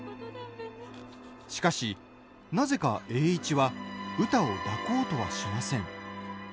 しかし、なぜか栄一はうたを抱こうとはしません。